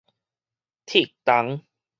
鐵胴